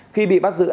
khi bị bắt giữ an